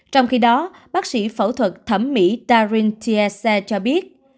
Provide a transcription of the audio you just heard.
trong khi đó bác sĩ phẫu thuật thẩm mỹ darin tiese cho biết